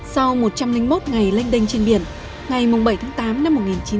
sau một trăm linh một ngày lanh đênh trên biển ngày bảy tháng tám năm một nghìn chín trăm bốn mươi bảy